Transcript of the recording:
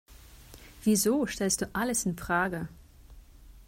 Wieso stellst du alles infrage?